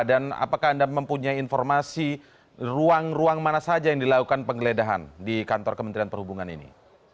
dan apakah anda mempunyai informasi ruang ruang mana saja yang dilakukan penggeledahan di kantor kementerian perhubungan ini